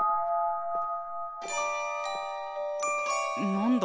何だ？